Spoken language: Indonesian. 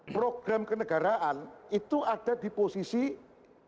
program kenegaraan itu ada di posisi ke